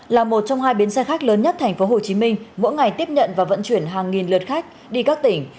là một trong hai bến xe khách lớn nhất tp hcm mỗi ngày tiếp nhận và vận chuyển hàng nghìn lượt khách đi các tỉnh